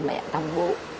mẹ thông bố